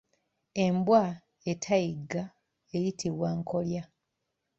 Embwa etayigga eyitibwa nkolya.